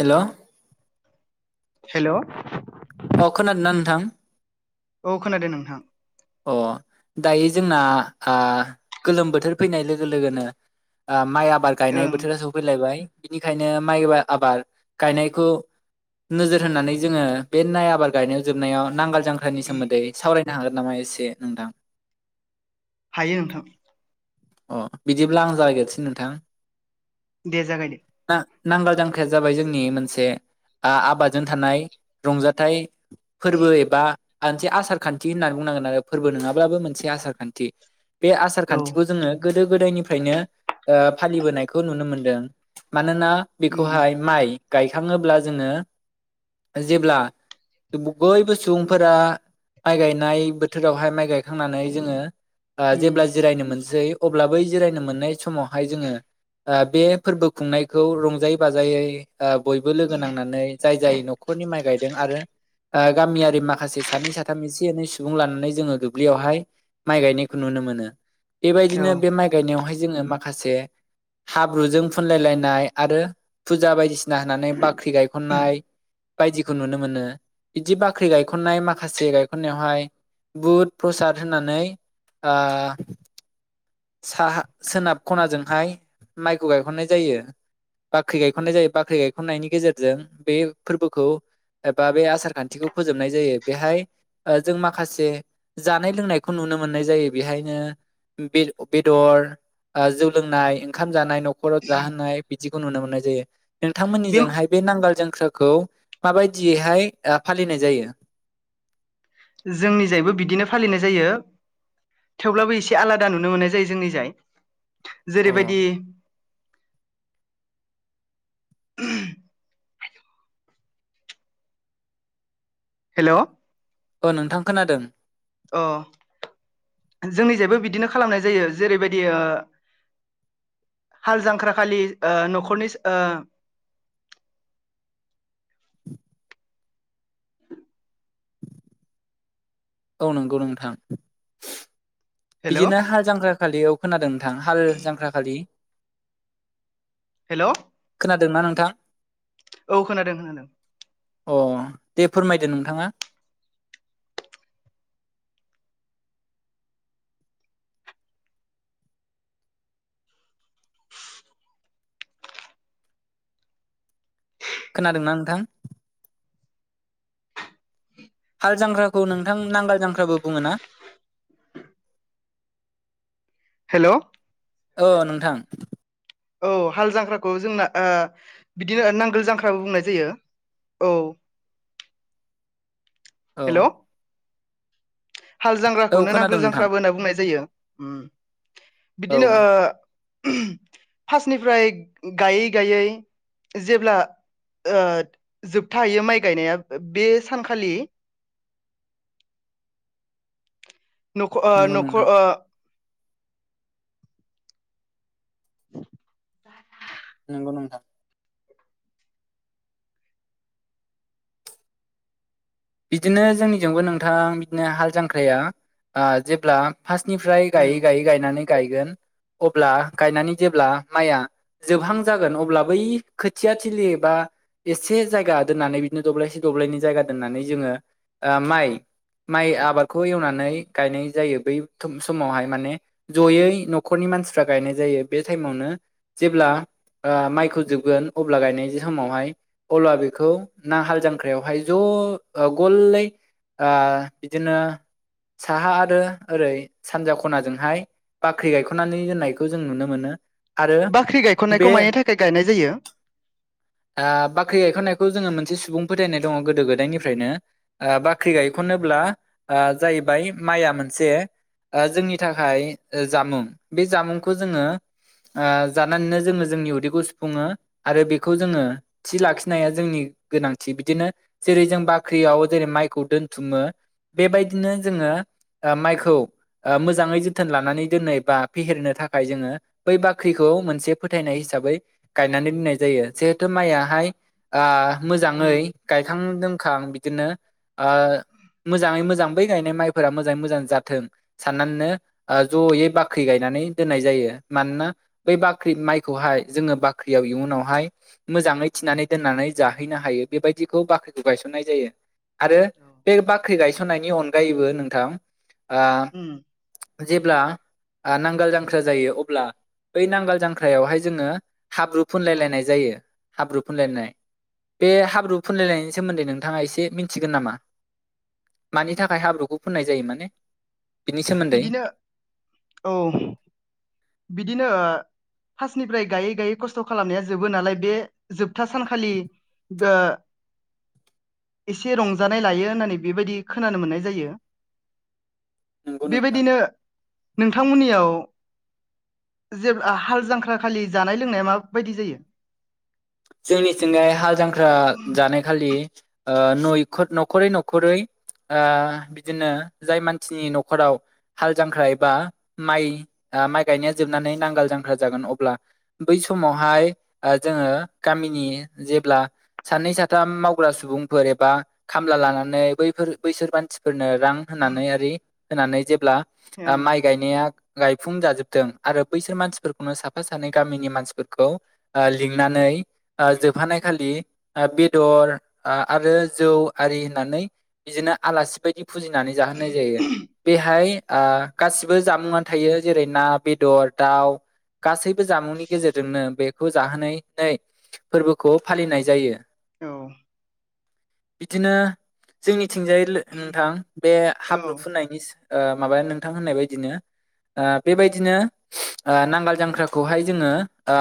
Hello hello औ खोनादो ना नोंथां? औ खोनादों नोंथां। अ दायो जोंना आ गोलोम बोथोर फैनाय लोगो लोगोनो ओ माइ आ बाद गायनाय ओं बोथोरा सौफैलायबाय। बिनिखायनो माइ आ-आबाद गायनायखौ नोजोर होनानै जोङो बे माइ आबाद गायनायाव जोबनायाव नांगोल जांख्रानि सोमोन्दै सावराय ना होगोन नामा [unintelligible] एसे नोंथां? हायो नोंथां अ बिदिब्ला आं जागोरसै नोंथां दे जागायदो ना नांगाल जांख्राया जाबाय जोंनि मोनसे आ आबादजों थानाय रंजाथाइ फोरबो एबा आनसे आसार खान्थि होननानै बुंनांगोन आरो फोरबो नङाब्लाबो मोनसे आसार खान्थि बे आसार औ खान्थिखौ जोङो गोदायनिफ्रायनो ओ फालिबोनायखौ नुनो मोनदों मानोना उम बेखौहाय माइ गायखाङोब्ला जोङो जेब्ला बयबो सुबुंफोरा माइ गायनाय बोथोरावहाय माइ गायखांनानै जोङो ओ उम जेब्ला जिरायनो मोनसै अब्लाबो जिरायनो मोननाय समावहाय जोङो ओ बे फोरबो खुंनायखौ रंजायै बाजायै ओ बयबो लोगो नांनानै जाय जाय न'खरनि माइ गायदों दों आरो गामियारि माखासे सानै साथाम एसे एनै सुबुं लानानै जोङो दुब्लियावहाय माइ गायनायखौ नुनो मोनो बे औ बिदिनो बे माइ गायनायावहाय जोङो माखासे हाब्रुजों फुनलायलायनाय आरो फुजा बायदिसिना होनानै बाख्रि गायखननाय बायदिखौ नुनो मोनो बिदि बाख्रि गायखननाय माखासे गायखननायावहाय बुध प्रसाद होननानै ओ साहा सोनाब खनाजोंहाय माइखौ गायखननाय जायो बाख्रि गायखननाय जायो बाख्रि गायखननायनि गेजेरजों बे फोरबोखौ एबा बे आसार खान्थिखौ फोजोबनाय जायो बेहाय ओ जों माखासे जानाय लोंनायखौ नुनो मोननाय जायो बेहायनो बे बेदर ओ जौ लोंनाय ओंखाम जानाय न'खराव जाहोनाय बिदि खौ नुनो मोननाय जायो नोंथांमोननिजोंहाय बे नांगोल जां सोरखौ माबायदियैहाय ओ फालिनाय जायो जोंनिजायबो बिदिनो फालिनाय जायो थेवब्लाबो एसे आलादा नुनो मोननाय जायो जोंनिजाय अ जेरैबायदि [inaudible] हेल अ नोंथां खोनादों अ जोंनि जायबो बिदिनो खालामनाय जायो जेरैबायदि ओ हाल जांख्राखालि ओ न'खरनि ओ औ नंगौ नोंथां हेल' बिदिनो हाल जांख्रा खालियाव खोनादों नोंथां हाल जांख्राखालि हेल' खोनादोंना नोंथां औ खोनादों खोनादों अ दे फोरमायदो नोंथाङा खोनादोंना नोंथां हाल जांख्राखौ नोंथां नांगाल जांख्रा बुङोना हेलौ औ नोंथां औ हाल जांख्राखौ जोंना ओ बिदिनो नांगोल जांख्राबो बुंनाय जायो औ। औ हेलौ। हाल औ जांग्राखौनो खोनादों नांगोल नोंथां जांख्राबो होनना बुंनाय जायो ओम औ बिदिनो ओ फार्स्टनिफ्राय गायै गायै जेब्ला ओ जोबथाहैयो माइ गायनाया बे सानखालि न'ख ओ नंगौ न'ख ओ नोंथां [unintelligible] नंगौ नोंथां बिदिनो जोंनिजोंबो नोंथाङा बिदिनो हाल जांख्राया ओ जेब्ला फास्तनिफ्राय ओं गायै गायै गायनानै गायगोन अब्ला गायनानै जेब्ला माया जोबहां जागोन अब्ला बै खोथिया थोलि एबा एसे जायगा दोननानै बिदिनो दब्लायसे दब्लायनि जायगा दोननानै जोङो ओ माइ माइ आबादखौ एवनानै गायनाय जायो बै समावहाय माने जयै न'खरनि मानसिफ्रा गायनाय जायो बे टाइमावनो जेब्ला ओ माइखौ जोबगोन अब्ला गायनाय समावहाय अब्ला बेखौ ना हाल जांख्रायावहाय ज' ओ गलै बिदिनो साहा आरो ओरै सानजा खनाजोंहाय बाख्रि गायख'नानै दोननायखौ जों नुनो मोनो आरो बाख्रि बे गायखननायखौ मानि थाखाय गायनाय जायो ओ बाख्रि गायख'नायखौ जोङो मोनसे सुबुं फोथायनाय दङ गोदो गोदायनि फ्रायनो ओ बाख्रि गायखनोब्ला ओ जाहैबाय माइआ मोनसे ओ जोंनि थाखाय जामुं बे जामुंखौ जोङो ओ जानानैनो जोङो जोंनि उदैखौ सुफुङो आरो बेखौ जोङो थि लाखिनाया जोंनि गोनांथि बिदिनो जेरै जों बाख्रियाव जेरै माइखौ दोनथुमो बेबायदिनो जोङो ओ माइखौ ओ मोजाङै जोथोन लानानै दोननाय बा फेहेरनो थाखाय जोङो बै बाख्रिखौ मोनसे फोथायनाय हिसाबै गायनानै दोननाय जायो जिहेथु माइयाहाय ओ मोजाङै उम गायखांदों खां बिदिनो ओ मोजाङै मोजां बै गायनाय माइफोरा मोजाङै मोजां जाथों साननानैनो जयै बाख्रि गायनानै दोननाय जायो मानोना बै बाख्रि माइखौहाय जोङो बाख्रियाव इयुनावहाय मोजाङै थिनानै दोननानै जाहैनो हायो बेबायदिखौ बाख्रि गायसननाय जायो आरो बे बाख्रि गायसननायनि अन जायोबो नोंथां ओ उम जेब्ला ओ नांगाल जांख्रा जायो अब्ला बै नांगाल जांख्रायावहाय जोङो हाब्रु फुनलायलायनाय जायो हाब्रु फुनलायनाय बे हाब्रु फुनलायनाय सोमोन्दै नोंथाङा एसे मिथिगोन नामा मानि थाखाय हाब्रुखौ फुननाय जायो माने बिनि सोमोन्दै बिदिनो औ बिदिनो ओ फासटनिफ्राय गायै गायै कसट' खालामनाया जोबो नालाय बे जोबथा सानखालि गो एसे रंजानाय लायो होननानै बेबायदि खोनानो मोननाय जायो। नंगौ नोंथां बेबायदिनो। नोंथांमोननियाव जेबा हाल जांख्राखालि जानाय लोंनाया माबायदि जायो। जोंनिथिंजाय हाल जांख्रा जानाय खालि। ओ नयखर नखरै नखरै ओ बिदिनो जाय मानसिनि ओ न'खराव हाल जांख्रा एबा माइ माइ गायनाया जोबनानै नांगाल जांख्रा जागोन अब्ला बै समावहाय जोङो। गामिनि जेब्ला सानै साथाम मावग्रा सुबुंफोर एबा खामला लानानै बैफोर बैसोर मानसिफोरनो रां होनानै आरि होनानै जेब्ला। आ ओं माइ गायनाया गायफुं जाजोबदों आरो बैसोर मानसिफोरखौनो साफा सानै गामिनि मानसिफोरखौ आ लिंनानै। आ जोबहानाय खालि बेदर आरो जौ आरि होननानै बिदिनो आलासि बायदि फुजिनानै जाहोनाय जायो बेहाय आ गासिबो जामुंआनो थायो जेरै ना बेदर दाउ गासैबो जामुंनि गेजेरजोंनो बेखौ जाहोनाय। फोरबोखौ फालिनाय जायो। औ बिदिनो जोंनि थिंजाय लो नोंथां बे औ हाब्रु फुननायनि सो ओ माबाया नोंथां होननाय बायदिनो ओ बेबायदिनो ओ नांगाल जांख्राखौहाय जोङो ओ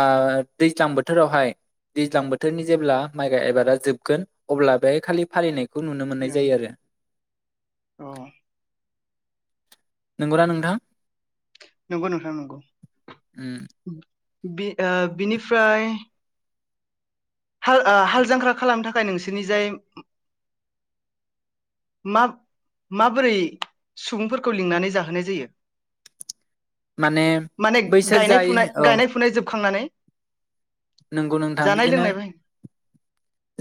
दैज्लां बोथोरावहाय दैज्लां बोथोरनि जेब्ला माइ गाय एबादा जोबगोन अब्ला बे खालि फालिनाय खौ नुनो मोननाय ओं जायो आरो औ नंगौना नोंथां? नंगौ नोंथां नंगौ। उम बि ओ बिनिफ्राय हाल ओ हाल जांख्रा खालामनो थाखाय नोंसोरनि जाय माब माबोरै सुबुंफोरखौ लिंनानै जाहोनाय जायो? माने माने बैसोर गायनाय जाय फुनाय औ गायनाय फुनाय जोबखांनानै नंगौ नोंथां जानाय बिदिनो लोंनाय बाय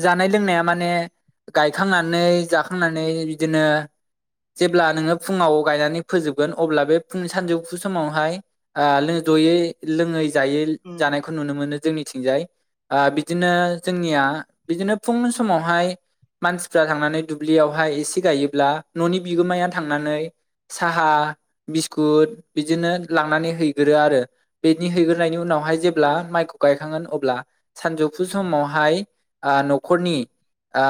जानाय लोंनाया माने गायखांनानै जाखांनानै बिदिनो जेब्ला नोङो फुङाव गायनानै फोजोबगोन अब्ला बे फुं सानजौफु समावहाय जयै लोङै जायै उम जानायखौ नुनो मोनो जोंनिथिंजाय ओ बिदिनो जोंनिया बिदिनो फुं समावहाय मानसिफ्रा थांनानै दुब्लियावहाय एसे गायोब्ला न'नि बिगोमाया थांनानै साहा बिस्कुट बिदिनो लांनानै हैगोरो आरो बिनि हैग्रोनायनि उनावहाय जेब ब्ला माइखौ गायखांगोन अब्ला सानजौफु समावहाय ओ न'खरनि ओ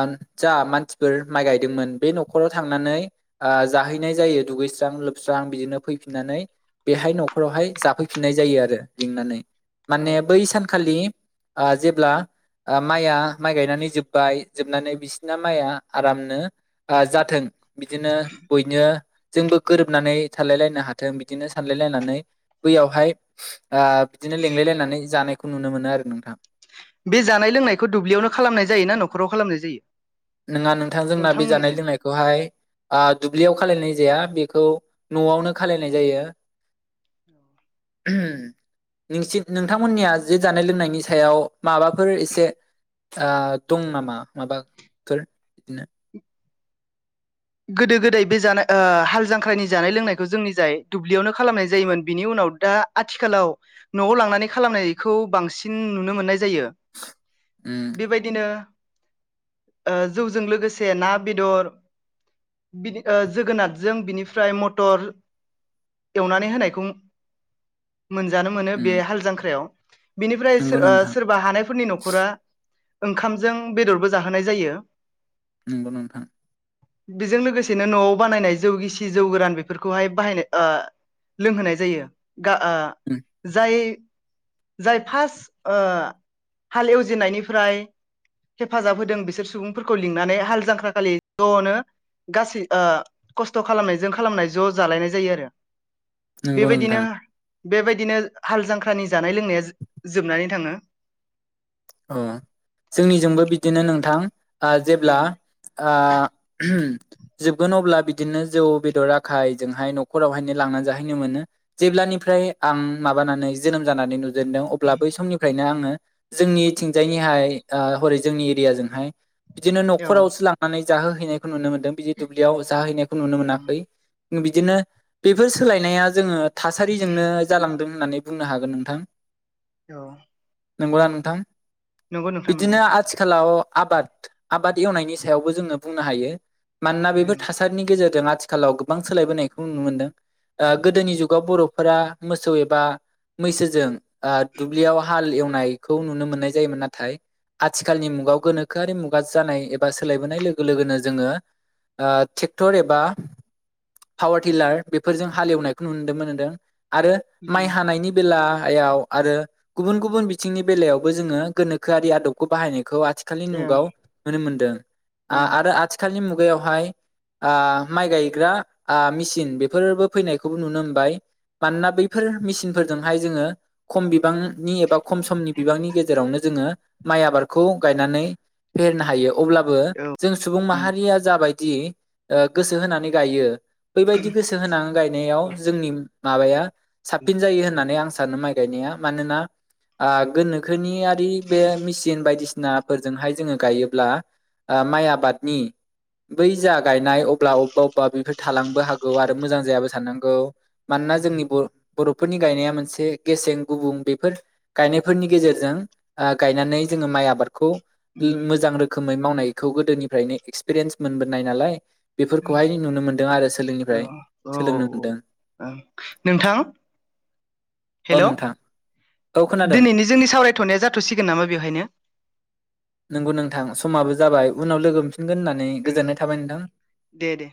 जा मानसिफोर माइ गायदोंमोन बे न'खराव थांनानै जाहैनाय जायो दुगैस्रां लोबस्रां बिदिनो फैफिननानै बेहाय न'खरावहाय जाफैफिननाय जायो आरो लिंनानै। औ माने बै सानखालि ओ जेब्ला ओ माइआ माइ गायनानै जोब्बाय जोबनानै बिसिना माइआ आरामनो ओ जाथों बिदिनो बयनो जोंबो गोरोबनानै थालाय लायनो हाथों बिदिनो सानलाय लायनानै बैयावहाय ओ बिदिनो लिलाय लाय नानै जानायखौ नुनो मोनो आरो नोंथां। बे जानाय लोंनायखौ दुब्लियावनो खालामनाय जायो ना न'खराव खालामनाय जायो? नोङा नोंथांजोंना बे नोंथांमोननि जानाय जाय? लोंनायखौहाय दुब्लियाव खालायनाय जाया बेख खौ न'आवनो खालायनाय जायो नोंसि-नोंथांमोननिया जे जानाय लोंनायनि सायाव माबाफोर एसे ओ दं नामा माबा फोर नो गोदो गोदाय बे जानाय हाल जांख्रानि जानाय लोंनायखौ जोंनि जाय दुब्लियावनो खालामनाय जायोमोन बिनि उनाव दा आथिखालाव न'आव लांनानै खालामनायखौ बांसिन नुनो मोननाय जायो। उम बेबायदिनो जौजों लोगोसे ना बेदर बिदि ओ जोगोनारजों बिनिफ्राय मटर एवनानै होनायखौ मोनजानो मोनो उम बे हाल जांख्रायाव बिनिफ्राय सो नंगौ ओ नोंथां सोरबा हानायफोरनि न'खरा ओंखामजों बेदरबो जाहोनाय जायो। नंगौ नोंथां बेजों लोगोसेनो न'आव बानायनाय जौ गिसि जौ गोरान बेफोरखौहाय बाहायनाय ओ लोंहोनाय जायो। गा ओ उम जाय जाय फार्स्ट हाल एवजेननायनिफ्राय हेफाजाब होदों बिसोर सुबुंफोरखौ लिंनानै हाल जांख्राखालि ज'नो गासै खस्थ' खालामनायजों खालामनाय ज' जालायनाय जायो आरो नंगौ नोंथां बेबायदिनो बेबायदिनो हाल जांख्रानि जानाय लोंनाया जोबनानै थाङो अ जोंनिजोंबो बिदिनो नोंथां जेब्ला ओं जोबगोन अब्ला बिदिनो जौ बेदर आखायजोंहाय न'खरावहाय लांनानै जाहैनो मोनो जेब्लानिफ्राय आं माबानानै जोनोम जानानै नु जेनदों अब्ला बै समनिफ्रायनो जोंनि थिंजायनिहाय हरै जोंनि एरियाजोंहाय बिदिनो औ न'खरावसो लांनानै जाहोहैनाय नुनो मोन्दों बिदि दुब्लियाव जाहैनायखौ नुनो ओं मोनाखै बिदिनो बेफोर सोलायनाया जोङो थासारिजोंनो जालांदों होननानै बुंनो हागोन नोंथां औ नोंगौ ना नोंथां नंगौ नोंथां नंगौ बिदिनो आथिखालाव आबाद आबाद एवनायनि सायावबो जोङो बुंनो हायो मानोना बेफोर ओं थासारिनि गेजेरजों आथिखालाव गोबां सोलायबोनायखौ नुनो मोनदों गोदोनि जुगाव बर'फोरा मोसौ एबा मैसोजों दुब्लियाव हाल एवनायखौ नुनो मोननाय जायोमोन नाथाय आथिखालनि मुगायाव गोनोखोआरि मुगा जानाय एबा सोलायबोनाय लोगो लोगोनो जोङो ट्रेक्टर एबा पावार टिलार बेफोरजों हालेवनायखौ नुदोंमोन नदों आरो ओं माइ ओं हानायनि बेला हायाव आरो गुबुन गुबुन बिथिंनि बेलायावबो जोङो गोनोखोआरि आदबखौ बाहायनायखौ खौ आथिखालनि औ मुगाव नुनो मोनदों आरो आथिखालनि मु मुगायावहाय माइ गायग्रा मेचन बेफोरबो फैनायखौबो नुनो मोनबाय मानोना बैफोर मेसिन फोरजोंहाय जोंङो खम बिबां नि एबा खम समनि बिबांनि गेजेरावनो माइ आबादखौ गायनानै फेेरनो हायो अब्लाबो जों सुबुं माहारि दानिया जाबायदि गोसो होनानै गायो बैबायदि गोसो होनानै गायनायाव जोंनि माबाया साबसिन जायो होननानै आं सानो माइ गायनाया मानोना ओ गोखोनिआरि बे मिसिन बायदिसिना बसिनाफोरजोंहाय जोंङो गायोब्ला माइ आबादनि बै जा गायनाय अब्ला अबेबा अबेबा बेफोर थालांबो हागौ आरो मोजां जायाबो थानानांगौ मानोना जोंनि बर बर'फोरनि गायनाया मोनसे गेसें गुबुं बेफोर गायनायफोरनि गेजेरजों गायनानै जोंङो माइ आबादखौ मोजां रोखोमै मावनाय बेखौ गोदोनिफ्रायनो एक्सपिरियेन्स मोनबोनाय नालाय बेफोरखौहाय नुनो मोनदों आरो औ सोलोंनिफ्राय सोलोंनो औ मोनदों नोंथां औ हेलौ नोंथां औ खोनादों दिनैनि जोंनि सावरायथ'नाया जाथ'सिग नंगौ नोंथां समाबो जाबाय उनाव लोगो मोन नगोन होननानै ओं गोजोननाय थाबाय नोंथां दे दे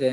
दे